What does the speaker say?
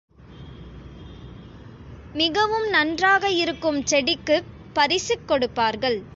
மிகவும் நன்றாக இருக்கும் செடிக்குப் பரிசு கொடுப்பார்கள்.